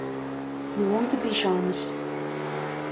Ne oan ket bet james.